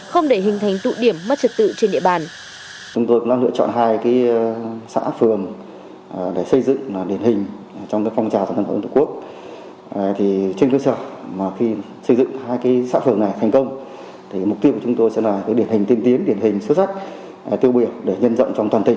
không để hình thành tụ điểm mất trật tự trên địa bàn